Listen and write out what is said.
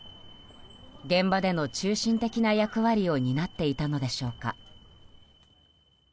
現場での中心的な役割を担っていたのでしょうか。